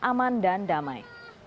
aman dan damai